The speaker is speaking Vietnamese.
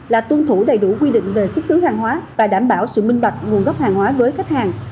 là tuân thủ đầy đủ quy định về xuất xứ hàng hóa và đảm bảo sự minh bạch nguồn gốc hàng hóa với khách hàng